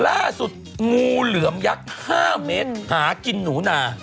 งูเหลือมยักษ์๕เมตรหากินหนูนา